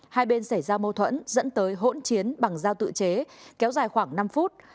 hai bên xảy ra mâu thuẫn dẫn tới hỗn chiến bằng dao tự chế kéo dài khoảng năm phút